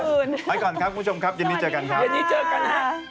โอเคเกินเวลาแล้วนะไปก่อนครับคุณผู้ชมครับยินดีเจอกันครับยินดีเจอกันครับ